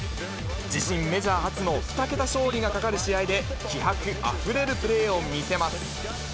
自身メジャー初の２桁勝利がかかる試合で、気迫あふれるプレーを見せます。